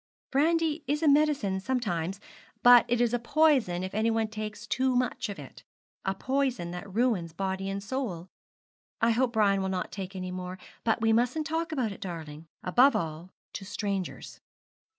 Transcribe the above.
'Brandy is a medicine sometimes, but it is a poison if anyone takes too much of it a poison that ruins body and soul. I hope Brian will not take any more; but we mustn't talk about it, darling, above all to strangers.'